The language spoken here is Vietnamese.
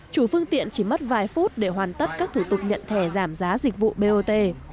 chủ phương tiện chỉ mất vài phút để hoàn tất các thủ tục nhận thẻ giảm giá dịch vụ bot